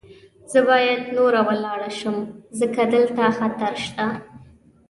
زه باید نوره ولاړه شم، ځکه دلته خطر شته.